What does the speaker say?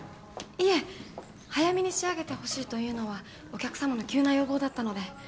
いえ早めに仕上げてほしいというのはお客様の急な要望だったので。